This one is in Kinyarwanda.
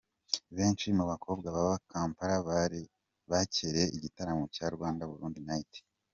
Benshi mu bakobwa baba Kampala bakereye igitaramo cya Rwanda-Burundi Night .